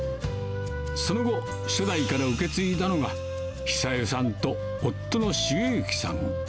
その後、初代から受け継いだのが、寿代さんと夫の茂行さん。